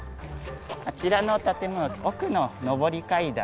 あちらの建物奥の上り階段が。